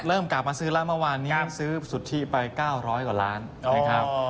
กลับมาซื้อแล้วเมื่อวานนี้ซื้อสุทธิไป๙๐๐กว่าล้านนะครับ